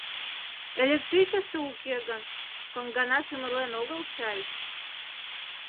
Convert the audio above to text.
Электричество уке гын, коҥгана сӱмырлен огыл чай.